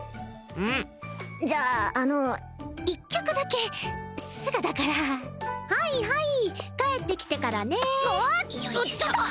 うんじゃああの一局だけすぐだからはいはい帰ってきてからねああちょっと！